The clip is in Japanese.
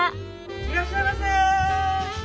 いらっしゃいませ。